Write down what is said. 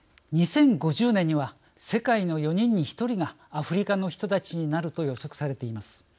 ２０５０年には世界の４人に１人がアフリカの人たちになると予測されています。